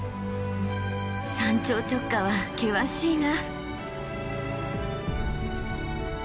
山頂直下は険しいな。